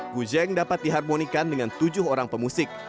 kujeng dapat diharmonikan dengan tujuh orang pemusik